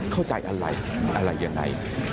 เข้าใจอะไรอะไรยังไง